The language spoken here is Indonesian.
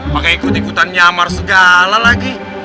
makanya ikut ikutan nyamar segala lagi